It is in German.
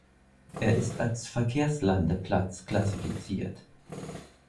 Er ist als Verkehrslandeplatz klassifiziert.